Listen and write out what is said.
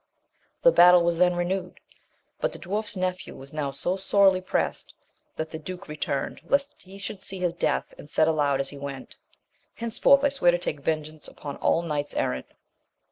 The battle was then renewed, but the dwarf's nephew was now so sorely pressed, that the duke returned lest he should see his death, and said aloud as he went, Henceforth I swear to take vengeance upon all knights errant.